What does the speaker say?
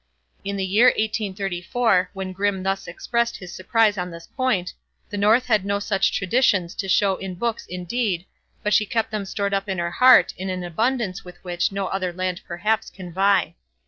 In the year 1834, when Grimm thus expressed his surprise on this point, the North had no such traditions to show in books indeed, but she kept them stored up in her heart in an abundance with which no other land perhaps can vie.